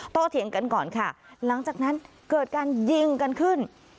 เถียงกันก่อนค่ะหลังจากนั้นเกิดการยิงกันขึ้น